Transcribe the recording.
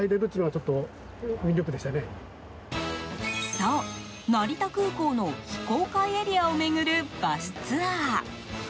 そう、成田空港の非公開エリアを巡るバスツアー。